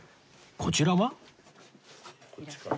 こちらは？